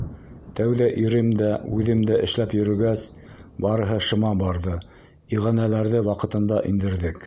Тәүҙә ирем дә, үҙем дә эшләп йөрөгәс, барыһы шыма барҙы, иғәнәләрҙе ваҡытында индерҙек.